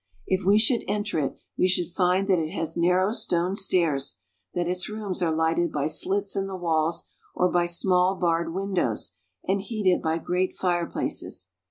If we should enter it, we should find that it has narrow stone stairs, that its rooms are lighted by slits in the walls or by small barred windows, and heated by great fireplaces.